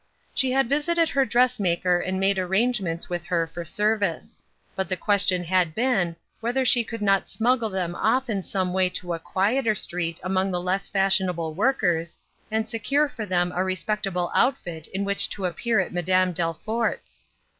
She had visited her dressmaker and made arrangements with her for service. But the question had been, whether she could not smug gle them off in some way to a quieter street among the less fashionable workers, and secure Trying Questions, 333 for them a respectable outfit in which to appear at Madame Delfort's.